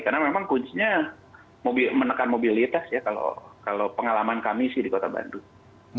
karena memang kuncinya menekan mobilitas ya kalau pengalaman kami sih di kota bandung